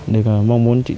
tôi mong muốn chịu đựng